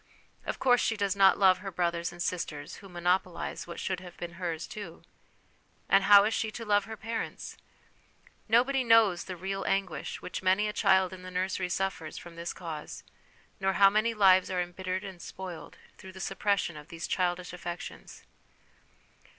Of course she does not love her brothers and sisters, who monopolise what should have been hers too. And how is she to love her parents ? Nobody knows the real anguish which many a child in the nursery suffers from this cause, nor how many lives are embittered and spoiled through the suppression of these childish affections.